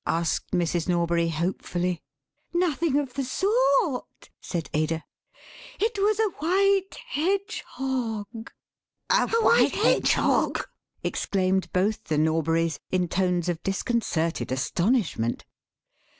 asked Mrs. Norbury hopefully. "Nothing of the sort," said Ada; "it was a white hedgehog." "A white hedgehog!" exclaimed both the Norburys, in tones of disconcerted astonishment.